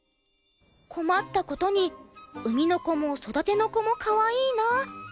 困った事に産みの子も育ての子もかわいいな。